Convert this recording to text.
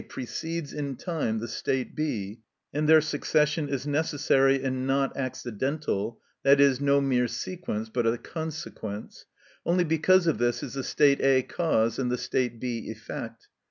precedes in time the state B., and their succession is necessary and not accidental, i.e., no mere sequence but a consequence—only because of this is the state A. cause and the state B. effect.